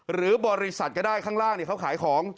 หรือบริษัทก็ได้ข้างล่างเขาขายของ